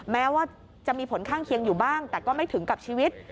แม้ว่าจะมีผลข้างเคียงอยู่บ้างแต่ก็ไม่ถึงกับชีวิต